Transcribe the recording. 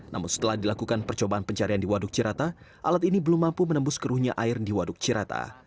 namun setelah dilakukan percobaan pencarian di waduk cirata alat ini belum mampu menembus keruhnya air di waduk cirata